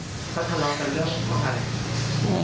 เค้าทะเลากันเรื่องพ่อกันอะไร